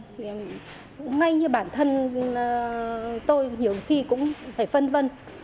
thì ngay như bản thân tôi nhiều khi cũng phải phân vân